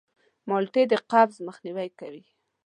مالټې د قبض مخنیوی کوي.